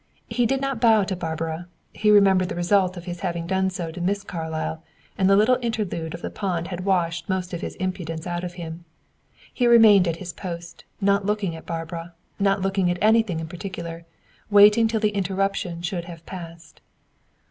He did not bow to Barbara; he remembered the result of his having done so to Miss Carlyle, and the little interlude of the pond had washed most of his impudence out of him. He remained at his post, not looking at Barbara, not looking at anything in particular, waiting till the interruption should have passed.